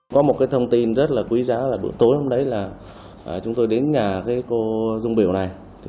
có một cái thông tin rất là quý giá là bữa tối hôm đấy là chúng tôi đến nhà cô dung biểu này